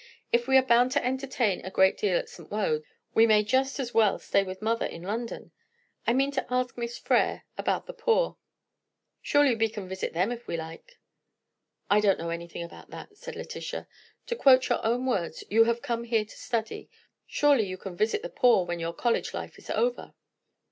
"If we are bound to entertain a great deal at St. Wode's, we may just as well stay with mother in London. I mean to ask Miss Frere about the poor; surely we can visit them if we like?" "I don't know anything about that," said Letitia. "To quote your own words, you have come here to study. Surely you can visit the poor when you college life is over?"